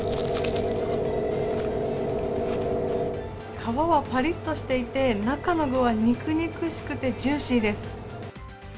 皮はぱりっとしていて、中の具は肉肉しくてジューシーです。